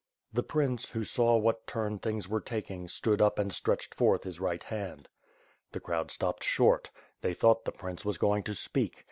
The prince, who saw what turn things were taking, stood up and stretched forth his right hand. The crowd stopped short. They thought the prince was going to speak.